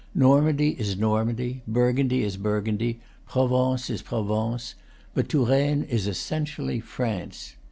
Normandy is Normandy, Burgundy is Burgundy, Provence is Pro vence; but Touraine is essentially France.